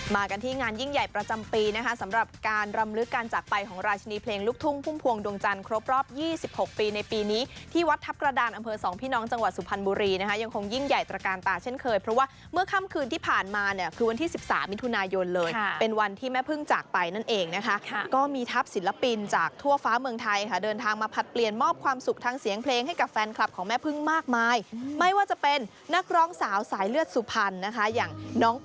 มากันที่งานยิ่งใหญ่ประจำปีนะคะสำหรับการรำลึกการจากไปของราชนีเพลงลุกทุ่งพุ่มพวงดวงจันทร์ครบรอบยี่สิบหกปีในปีนี้ที่วัดทับกระดานอำเภอสองพี่น้องจังหวัดสุพรรณบุรีนะคะยังคงยิ่งใหญ่ตระการตาเช่นเคยเพราะว่าเมื่อคำคืนที่ผ่านมาเนี้ยคือวันที่สิบสามมิถุนายนเลยค่ะเป็นวัน